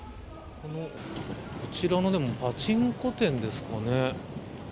こちらのパチンコ店ですかね。